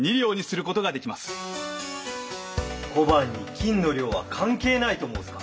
小判に金の量は関係ないと申すか。